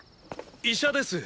医者です。